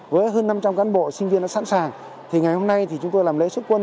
với hơn năm trăm linh cán bộ sinh viên đã sẵn sàng thì ngày hôm nay thì chúng tôi làm lễ xuất quân